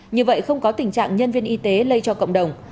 như vậy không có tình trạng nhân viên y tế lây cho cộng đồng